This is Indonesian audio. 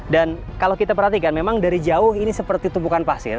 dan kalau kita perhatikan memang dari jauh ini seperti tumpukan pasir